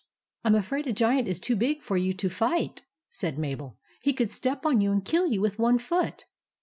" I 'm afraid a Giant is too big for you to fight," said Mabel. " He could step on you and kill you with one foot."